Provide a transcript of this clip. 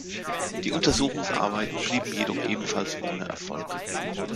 Die Untersuchungsarbeiten blieben jedoch ebenfalls ohne Erfolg.